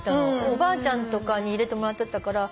おばあちゃんとかに入れてもらってたから。